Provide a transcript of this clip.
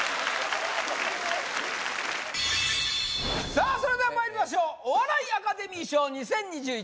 さあそれではまいりましょうお笑いアカデミー賞２０２１